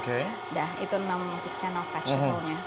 udah itu enam nya enam vegetable nya